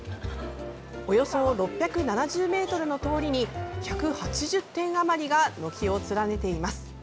およそ６７０ｍの通りに１８０店あまりが軒を連ねています。